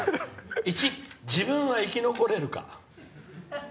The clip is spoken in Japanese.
「１、自分は生き残れるか」。